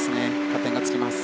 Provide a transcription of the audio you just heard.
加点がつきます。